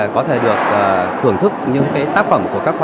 có thể được thưởng thức những cái tác phẩm của các quốc gia